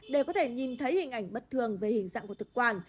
để có thể nhìn thấy hình ảnh bất thường về hình dạng của thực quản